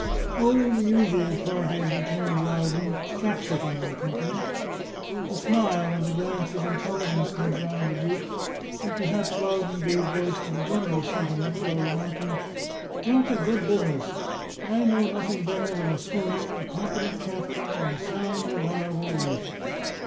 "O, the usual parties!" returned Loudon, "Capsicum & Co." A smile and a glance of intelligence went round the group; and perhaps Loudon gave voice to the general sentiment by remarking, "Talk of good business! I know nothing better than a schooner, a competent captain, and a sound, reliable reef."